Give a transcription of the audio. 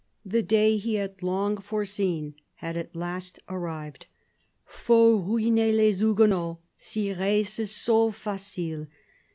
The day he had long foreseen had at last arrived. " Faut ruiner les Huguenots. Si Re se sauve, facile.